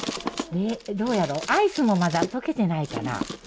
どうやろ、アイスもまだとけてないかな。